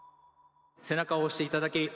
背中を押していただき。